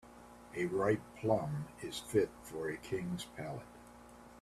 A ripe plum is fit for a king's palate.